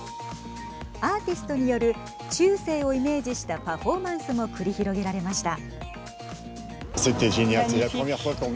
アーティストによる中世をイメージしたパフォーマンスも繰り広げられました。